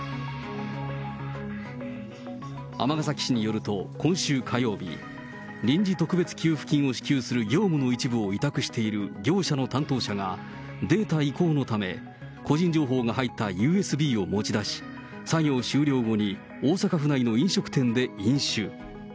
尼崎市によると、今週火曜日、臨時特別給付金を支給する業務の一部を委託している業者の担当者が、データ移行のため、個人情報が入ったＵＳＢメモリを持ち出し、作業終了後に大阪府内の飲食店で飲酒。